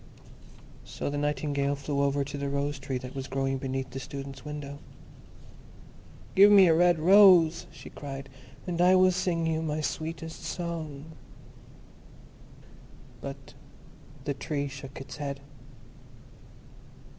So the Nightingale flew over to the Rose tree that was growing beneath the Student's window. "Give me a red rose," she cried, "and I will sing you my sweetest song." But the Tree shook its head.